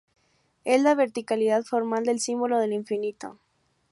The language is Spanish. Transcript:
Es la verticalidad formal del símbolo del infinito.